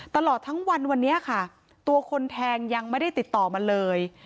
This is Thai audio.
ตลอดทั้งวันวันนี้ค่ะตัวคนแทงยังไม่ได้ติดต่อมาเลย